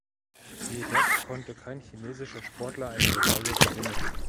Jedoch konnte kein chinesischer Sportler eine Medaille gewinnen.